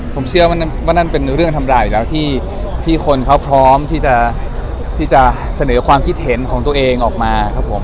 ผมเชื่อว่านั่นเป็นเรื่องธรรมดาอยู่แล้วที่คนเขาพร้อมที่จะเสนอความคิดเห็นของตัวเองออกมาครับผม